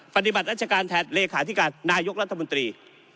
ปฏิบัติราชการแทนเลขาธิการนายกรัฐมนตรี